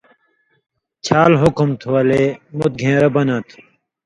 چھال حُکُم تھُو ولے مُت گھین٘رہ بناں تھُو